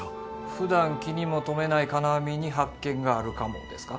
ふだん気にも留めない金網に発見があるかもですか？